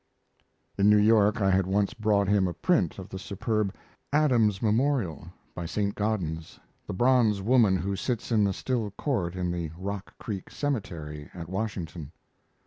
In New York I had once brought him a print of the superb "Adams Memorial," by Saint Gaudens the bronze woman who sits in the still court in the Rock Creek Cemetery at Washington.